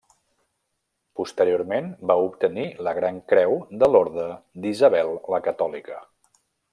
Posteriorment va obtenir la gran creu de l'Orde d'Isabel la Catòlica.